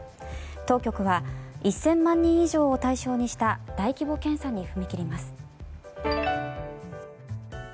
当局は１０００万人以上を対象にした大規模検査に踏み切ります。